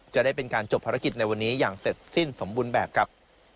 จะได้เป็นการจบภารกิจในวันนี้อย่างเสร็จสิ้นสมบูรณ์แบบครับ